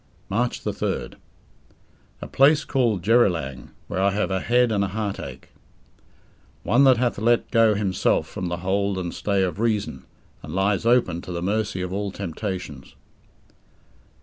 March 3rd. A place called Jerrilang, where I have a head and heartache. "One that hath let go himself from the hold and stay of reason, and lies open to the mercy of all temptations."